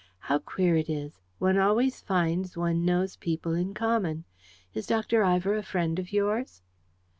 How queer it is! One always finds one knows people in common. Is Dr. Ivor a friend of yours?"